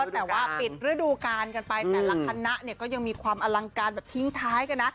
แต่ว่าปิดฤดูการกันไปแต่ละคณะก็ยังมีความอลังการแบบทิ้งท้ายกันนะ